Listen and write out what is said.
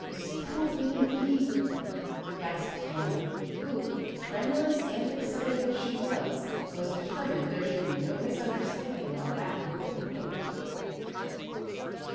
"Spelled with an E," gasped Anne, who, tremulous and excited as she was, was determined there should be no misunderstanding on that important point.